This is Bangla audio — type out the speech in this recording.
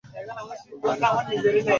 উল্কাটাকে শেষ পর্যন্ত কিছুই করা গেল না!